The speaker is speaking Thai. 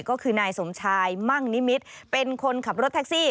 ก็คือนายสมชายมั่งนิมิตรเป็นคนขับรถแท็กซี่